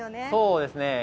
そうですね。